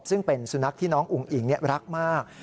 ซึ่งเป็นสุนัขที่น้องอุ๋งอิ๋งรักมาก